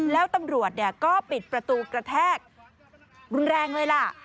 แล้วตำรวจก็ปิดประตูกระแทกรุนแรงเลยล่ะ